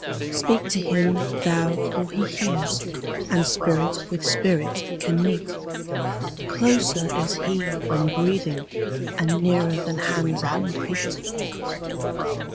Speak to Him thou for He hears, and Spirit with Spirit can meet—Closer is He than breathing, and nearer than hands and feet.